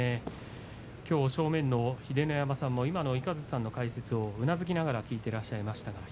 きょう正面の秀ノ山さんも今の雷さんの解説もうなずきながら聞いていました。